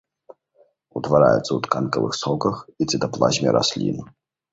Утвараюцца ў тканкавых соках і цытаплазме раслін.